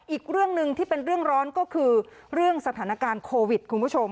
อีกเรื่องหนึ่งที่เป็นเรื่องร้อนก็คือเรื่องสถานการณ์โควิดคุณผู้ชม